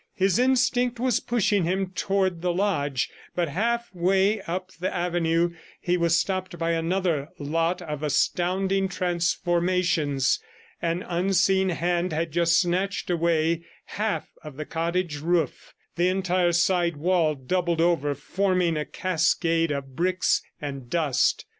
His instinct was pushing him toward the lodge, but half way up the avenue, he was stopped by another lot of astounding transformations. An unseen hand had just snatched away half of the cottage roof. The entire side wall doubled over, forming a cascade of bricks and dust.